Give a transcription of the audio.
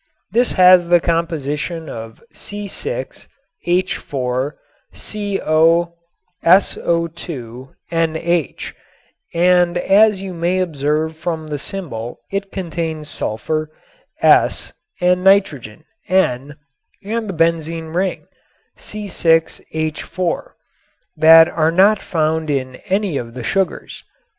This has the composition C_H_COSO_NH, and as you may observe from the symbol it contains sulfur (S) and nitrogen (N) and the benzene ring (C_H_) that are not found in any of the sugars.